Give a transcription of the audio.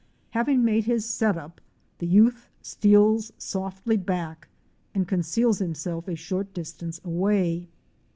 Having made his "set up," the youth steals softly back and conceals himself a short distance away.